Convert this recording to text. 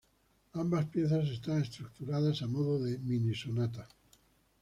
Ambas piezas están estructuradas a modo de mini-sonata.